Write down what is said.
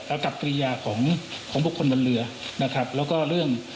กับปริญญาของของบุคคลบนเรือนะครับแล้วก็เรื่อง